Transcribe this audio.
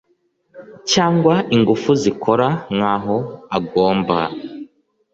cyangwa ingufu zikora nka wo agomba